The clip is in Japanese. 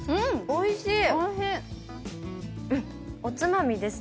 おいしい！